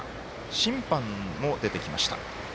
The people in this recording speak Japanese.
審判も出てきました。